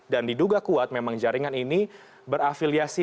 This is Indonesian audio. dan diduga kuat memang jaringan ini berafiliasi